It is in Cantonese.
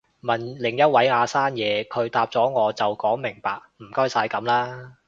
問另一位阿生嘢，佢答咗我就講明白唔該晒噉啦